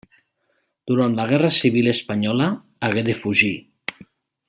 Durant la guerra civil espanyola hagué de fugir.